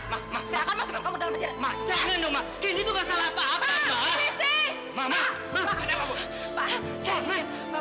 bapak masukkan dia ke dalam penjara